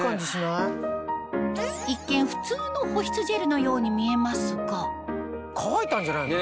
一見普通の保湿ジェルのように見えますが乾いたんじゃないの？